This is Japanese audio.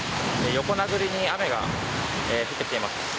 横殴りに雨が降ってきています。